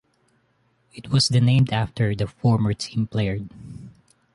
It was the named after the former team player.